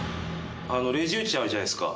レジ打ちあるじゃないですか。